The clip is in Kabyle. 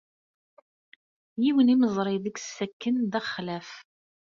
Yiwen imeẓri deg-s akken d axlaf.